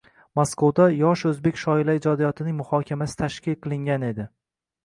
Maskovda yosh o’zbek shoirlari ijodiyotining muhokamasi tashkil qilingan edi.